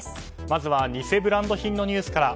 まずは偽ブランド品のニュースから。